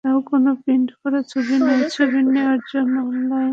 তাও কোনো প্রিন্ট করা ছবি নয়, ছবি নেওয়ার জন্য অনলাইন অ্যাকসেস।